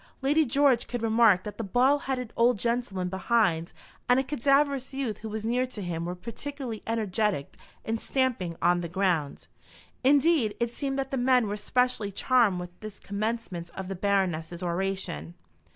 Lady George could remark that the bald headed old gentleman behind and a cadaverous youth who was near to him were particularly energetic in stamping on the ground. Indeed, it seemed that the men were specially charmed with this commencement of the Baroness's oration.